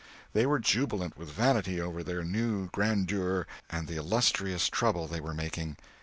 They were jubilant with vanity over their new grandeur and the illustrious trouble they were making.